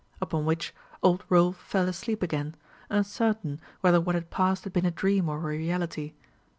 Upon which, old Rolf fell asleep again, uncertain whether what had passed had been a dream or a reality.